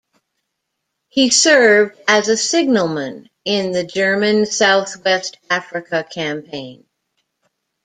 He served as a signalman in the German South-West Africa campaign.